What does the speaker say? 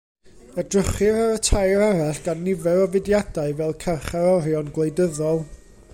Edrychir ar y tair arall gan nifer o fudiadau fel carcharorion gwleidyddol.